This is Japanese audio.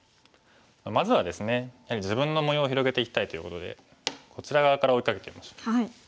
まずはですねやはり自分の模様を広げていきたいということでこちら側から追いかけてみましょう。